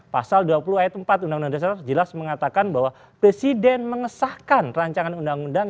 pasal dua puluh ayat empat undang undang dasar jelas mengatakan bahwa presiden mengesahkan rancangan undang undang